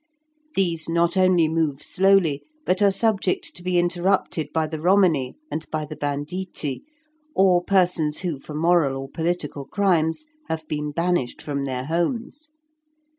These not only move slowly, but are subject to be interrupted by the Romany and by the banditti, or persons who, for moral or political crimes, have been banished from their homes.